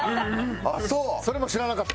それも知らなかった？